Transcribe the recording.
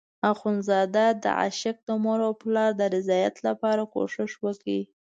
اخندزاده د عاشق د مور او پلار د رضایت لپاره کوشش وکړ.